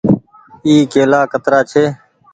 اي ڪيلآ ڪترآ ڇي۔